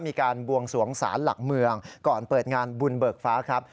มีการบวงสวงศาลหลักเมืองก่อนเปิดงานบุญเบิกฟ้าครับ